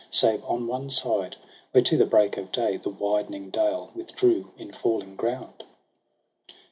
Save on one side where to the break of day The widening dale withdrew in falling ground.